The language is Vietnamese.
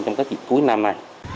trong các dịch cuối năm này